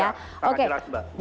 ya sangat jelas mbak